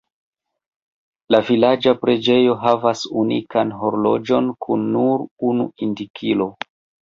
La vilaĝa preĝejo havas unikan horloĝon kun nur unu indikilo.